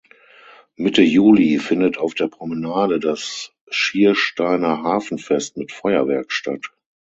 Mitte Juli findet auf der Promenade das "Schiersteiner Hafenfest" mit Feuerwerk statt.